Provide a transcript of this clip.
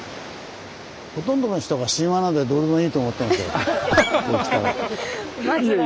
ほとんどの人が神話なんてどうでもいいと思ってんでしょ